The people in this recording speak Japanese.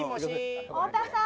太田さん